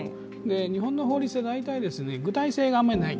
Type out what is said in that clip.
日本の法律って大体、具体性があまりない。